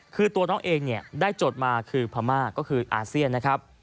คือตัวน้องเองเนี่ยได้จดมาคือพม่าก็คืออาเซียนนะครับ